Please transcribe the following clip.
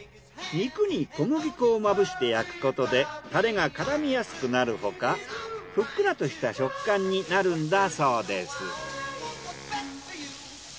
肉に小麦粉をまぶして焼くことでタレが絡みやすくなるほかふっくらとした食感になるんだそうです。